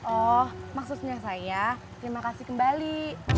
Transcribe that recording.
oh maksudnya saya terima kasih kembali